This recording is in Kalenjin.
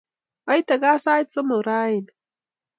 Aite kaa sait somok raini